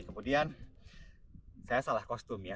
kemudian saya salah kostum ya